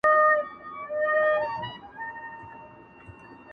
اوس مي ګوره دبدبې ته او دربار ته ،